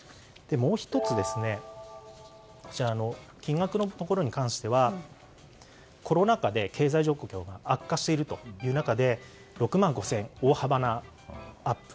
もう１つ、金額に関してはコロナ禍で経済状況が悪化する中６万５０００円の大幅なアップ。